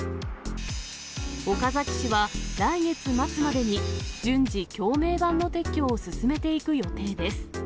岡崎市は来月末までに順次、橋名板の撤去を進めていく予定です。